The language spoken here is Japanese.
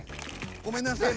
ごめんなさい。